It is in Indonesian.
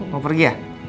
mau pergi ya